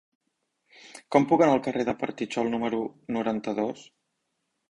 Com puc anar al carrer de Petritxol número noranta-dos?